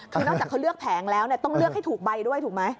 คือนอกจากเขาเลือกแผงแล้วต้องเลือกให้ถูกใบด้วยถูกไหม